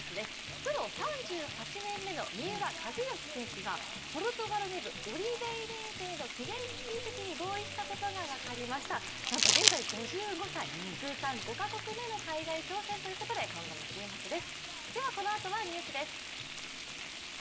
プロ３８年目の三浦知良選手が、ポルトガル２部、オリベイレンセへの期限付き移籍になんと現在５５歳、通算５か国目の海外挑戦ということで今後も注目です。